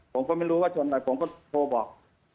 ผมก็ไม่รู้ว่าชนอะไรผมก็โทรบอก